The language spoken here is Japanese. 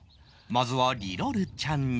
まずはリロルちゃんに